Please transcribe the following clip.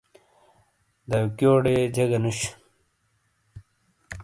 داویکیو ٹےجیگہ نوش۔